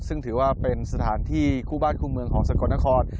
ซึ่งถือว่าเป็นสถานที่คู่บ้านคู่เมืองของสกลนคร